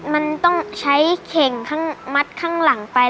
มันต้องใช้เข่งข้างมัดข้างหลังไป